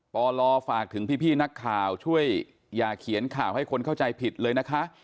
ปลฝากถึงพี่นักข่าวช่วยอย่าเขียนข่าวให้คนเข้าใจผิดเลยนะคะ